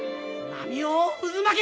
波よ渦巻け！